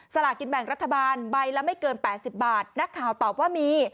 ลากินแบ่งรัฐบาลใบละไม่เกิน๘๐บาทนักข่าวตอบว่ามี